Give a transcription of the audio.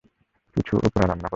কিছু ওপরা রান্না কর।